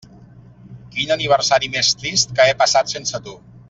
Quin aniversari més trist que he passat sense tu.